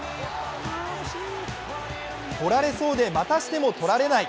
取られそうで、またしても取られない。